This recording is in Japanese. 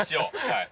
はい。